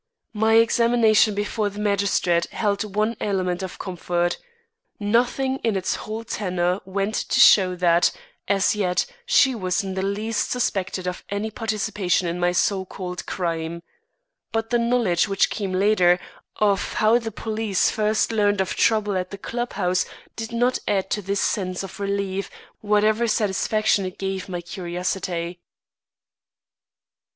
My examination before the magistrate held one element of comfort. Nothing in its whole tenor went to show that, as yet, she was in the least suspected of any participation in my so called crime. But the knowledge which came later, of how the police first learned of trouble at the club house did not add to this sense of relief, whatever satisfaction it gave my curiosity.